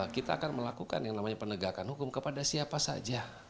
kita akan melakukan yang namanya penegakan hukum kepada siapa saja